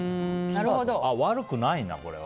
悪くないな、これは。